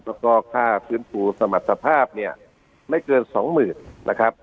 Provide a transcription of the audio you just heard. แล้วก็ค่าฟื้นฟูสมรรถภาพเนี่ยไม่เกินสองหมื่นนะครับ